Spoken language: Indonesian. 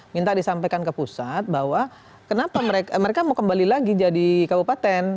minta disampaikan ke pusat bahwa kenapa mereka mau kembali lagi jadi kabupaten